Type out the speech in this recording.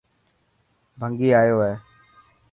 ڀنگي آيو هي.